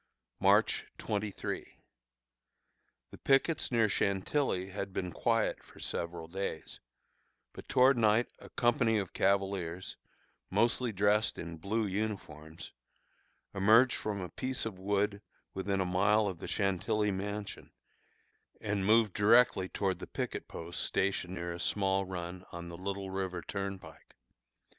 March 23. The pickets near Chantilly had been quiet for several days, but toward night a company of cavaliers, mostly dressed in blue uniforms, emerged from a piece of wood within a mile of the Chantilly mansion, and moved directly toward the picket post stationed near a small run on the Little River Turnpike.